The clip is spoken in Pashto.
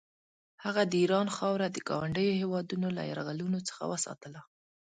هغه د ایران خاوره د ګاونډیو هېوادونو له یرغلونو څخه وساتله.